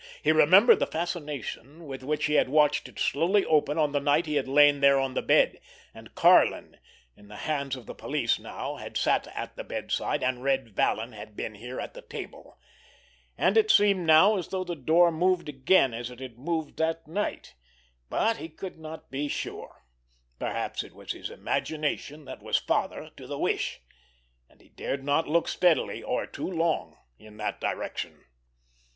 He remembered the fascination with which he had watched it slowly open on the night he had lain there on the bed, and Karlin, in the hands of the police now, had sat at the bedside, and Red Vallon had been here at the table. And it seemed now as though the door moved again as it had moved that night. But he could not be sure. Perhaps it was his imagination that was father to the wish—and he dared not look steadily, or too long in that direction.